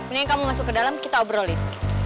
nih kamu masuk ke dalam kita obrolin